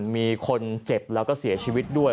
มีคนเจ็บแล้วก็เสียชีวิตด้วย